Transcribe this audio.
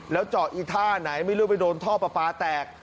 แล้วเจาะอีท่าไหนไม่รู้ไปโดนท่อปลาปลาแตก